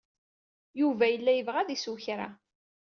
Yuba yella yebɣa ad isew kra.